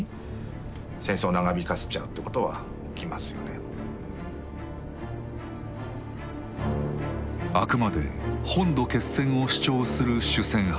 やっぱり人の心あくまで本土決戦を主張する主戦派。